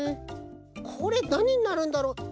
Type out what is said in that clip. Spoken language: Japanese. これなにになるんだろう？